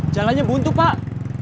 jalannya buntu pak